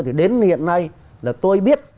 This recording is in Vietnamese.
thì đến hiện nay là tôi biết